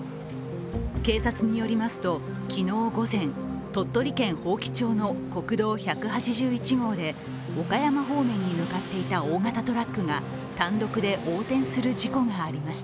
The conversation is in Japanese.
警察に寄りますと昨日午前、鳥取県伯耆町の国道１８１号で岡山方面に向かっていた大型トラックが単独で横転する事故がありました。